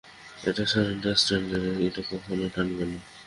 এটা surrender strand, এটা কখনও টানবে না।